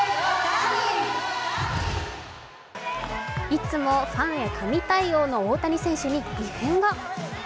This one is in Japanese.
いつもファンへ神対応の大谷選手に異変が。